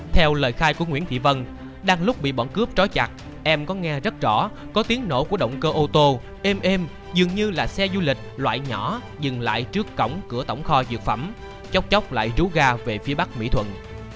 theo lời khai của nguyễn thị vân đang lúc bị bọn cướp trói chặt em có nghe rất rõ có tiếng nổ của động cơ ô tô êm êm dường như là xe du lịch loại nhỏ dừng lại trước cổng cửa tổng kho dược phẩm chóc chóc lại rú ga về phía bắc mỹ thuận